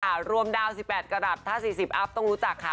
อ่ารวมดาวน์สิบแปดกระดับถ้าสี่สิบอัพต้องรู้จักค่ะ